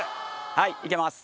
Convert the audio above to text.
はいいけます。